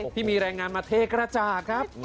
ที่มีแรงงานมาเทกระจาดครับ